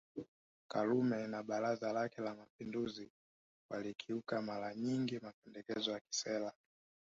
Karume na Baraza lake la Mapinduzi walikiuka mara nyingi mapendekezo ya kisera